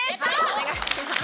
お願いします。